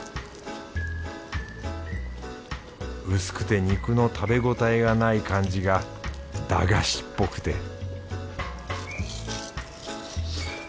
薄くて肉の食べ応えがない感じが駄菓子っぽくて